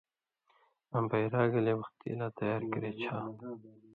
آں بائرا گلے وختی لا تیار کرے چھا۔